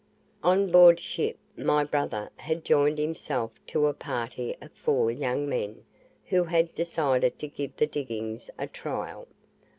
On board ship, my brother had joined himself to a party of four young men, who had decided to give the diggings a trial.